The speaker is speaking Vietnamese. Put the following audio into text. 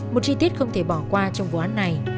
một chi tiết không thể bỏ qua trong vụ án này